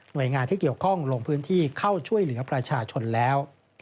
โดยงานที่เกี่ยวข้องลงพื้นที่เข้าช่วยเหลือประชาชนแล้ว